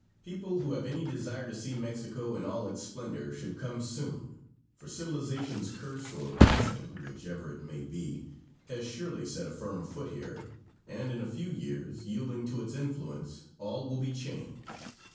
People who have any desire to see Mexico in all its splendor should come soon, for civilization's curse or blessing, whichever it may be, has surely set a firm foot here, and in a few years, yielding to its influence, all will be changed.